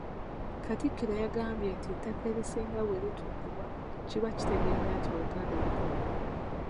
Katikkiro yagambye ettaka erisinga bwe litundibwa kiba kitegeeza nti Obuganda bukomye!